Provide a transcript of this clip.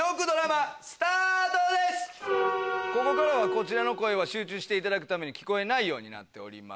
こちらの声は集中していただくために聞こえないようになっております。